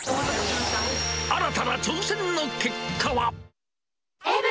新たな挑戦の結果は。